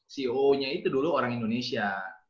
ceo nya itu dulu orang indonesia